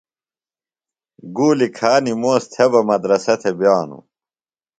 گُولیۡ کھا نِموس تھےۡ بہ مدرسہ تھےۡ بِیانوۡ۔